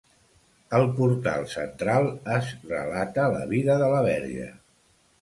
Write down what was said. Al portal central es relata la vida de la Verge.